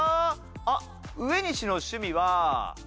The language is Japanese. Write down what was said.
あっ上西の趣味は。